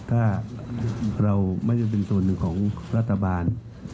ถ้าเราไม่ได้เป็นส่วนหนึ่งของรัฐบาล